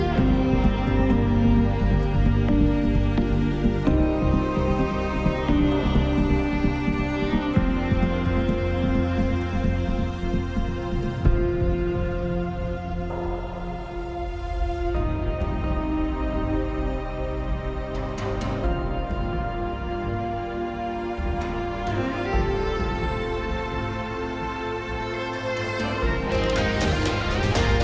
jangan lupa untuk menikmati video ini